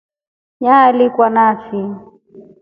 Nyaalikwa na fii.